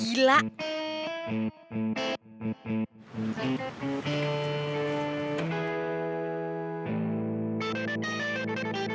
tunggu tunggu tunggu